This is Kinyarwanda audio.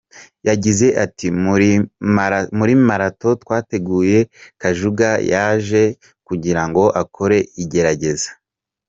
Yagize ati "Muri Marato twateguye, Kajuga yaje kugira ngo akore igerageza.